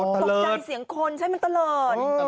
ตกใจเสียงคนใช่มันตะเลิศ